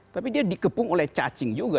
tapi dia dikepung oleh cacing juga